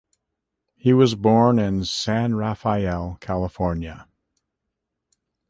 He was born in San Rafael, California.